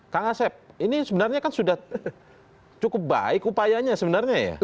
kang asep ini sebenarnya kan sudah cukup baik upayanya sebenarnya ya